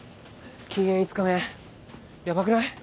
禁煙５日目ヤバくない？